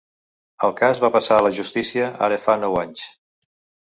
El cas va passar a la justícia ara fa nou anys.